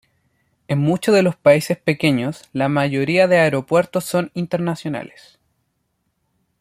En muchos de los países pequeños la mayoría de aeropuertos son internacionales.